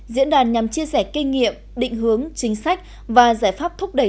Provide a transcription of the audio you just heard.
diễn đàn nhằm chia sẻ kinh nghiệm định hướng chính sách và giải pháp thúc đẩy